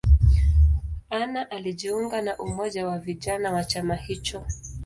Anna alijiunga na umoja wa vijana wa chama hicho.